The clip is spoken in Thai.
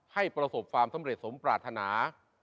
ประสบความสำเร็จสมปรารถนา